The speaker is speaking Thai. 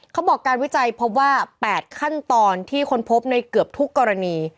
เขาบอกการวิจัยพบว่า๘ขั้นตอนที่ค้นพบในเกือบทุกกรณี